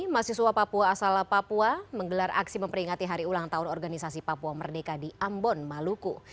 mahasiswa papua asal papua menggelar aksi memperingati hari ulang tahun organisasi papua merdeka di ambon maluku